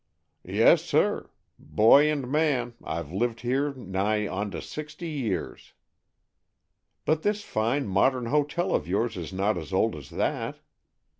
"Yes, sir. Boy and man, I've lived here nigh onto sixty years." "But this fine modern hotel of yours is not as old as that?"